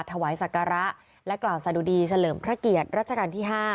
ถวายศักระและกล่าวสะดุดีเฉลิมพระเกียรติรัชกาลที่๕